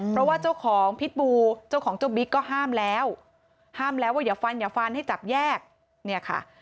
เพราะว่าเจ้าของพิษบูเจ้าของเจ้าบิ๊กก็ห้ามแล้วห้ามแล้วว่าอย่าฟันอย่าฟันให้จับแยกเนี่ยค่ะ